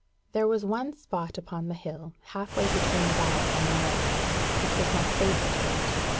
There was one spot upon the hill, half way between the valley and the moorland, which was my favourite haunt.